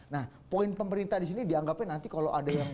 nah poin pemerintah di sini dianggapnya nanti kalau ada yang